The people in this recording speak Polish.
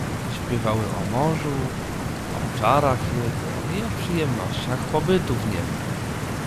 "Śpiewały o morzu, o czarach jego i o przyjemnościach pobytu w niem."